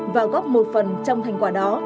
và góp một phần trong thành quả đó